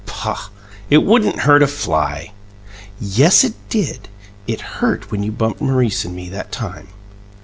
"Poh! It wouldn't hurt a fly!" "Yes, it did. It hurt when you bumped Maurice and me that time."